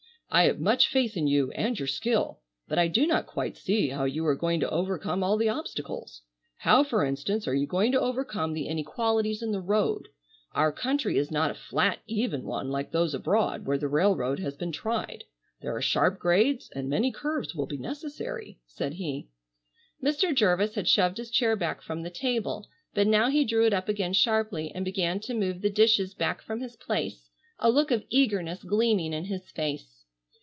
"I have much faith in you and your skill, but I do not quite see how you are going to overcome all the obstacles. How, for instance, are you going to overcome the inequalities in the road? Our country is not a flat even one like those abroad where the railroad has been tried. There are sharp grades, and many curves will be necessary," said he. Mr. Jervis had shoved his chair back from the table, but now he drew it up again sharply and began to move the dishes back from his place, a look of eagerness gleaming in his face.